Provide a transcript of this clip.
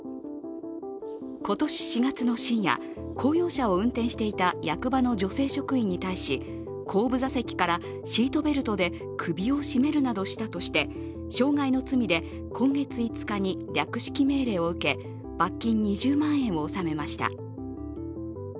今年４月の深夜、公用車を運転していた役場の女性職員に対し、後部座席からシートベルトで首を絞めるなどしたとして傷害の罪で今月５日に略式命令を受け罰金２０万円を納めました。